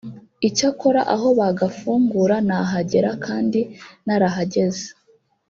icyakora aho bagafungura nahagera kandi narahageze